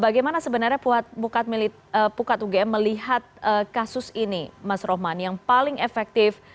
bagaimana sebenarnya pukat ugm melihat kasus ini mas rohman yang paling efektif